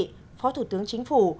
bộ chính trị phó thủ tướng chính phủ